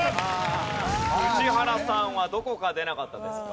宇治原さんはどこが出なかったんですか？